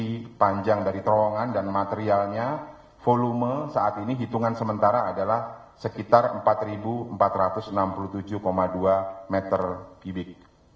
ini panjang dari terowongan dan materialnya volume saat ini hitungan sementara adalah sekitar empat empat ratus enam puluh tujuh dua meter bibit